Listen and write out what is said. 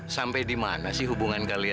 sampai dimana sih hubungan kalian